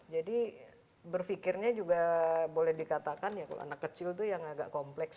jadi berfikirnya juga boleh dikatakan ya kalau anak kecil tuh yang agak kompleks